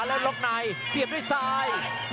แล้วลงนายเสียด้วยซาย